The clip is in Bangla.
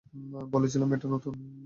বলেছিলাম এটা নতুন।